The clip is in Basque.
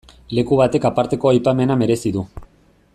Leku batek aparteko aipamena merezi du.